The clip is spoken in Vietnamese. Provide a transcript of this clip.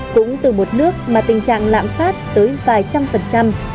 cũng từ một nước mà tình trạng lạm phát tới vài trăm phần trăm